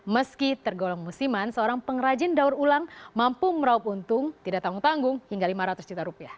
meski tergolong musiman seorang pengrajin daur ulang mampu meraup untung tidak tanggung tanggung hingga lima ratus juta rupiah